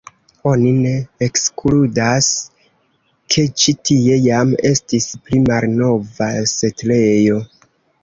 Oni ne ekskludas, ke ĉi tie jam estis pli malnova setlejo.